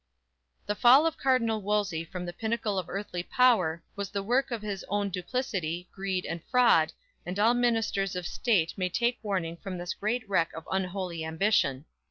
"_ The fall of Cardinal Wolsey from the pinnacle of earthly power was the work of his own duplicity, greed and fraud, and all ministers of state may take warning from this great wreck of unholy ambition!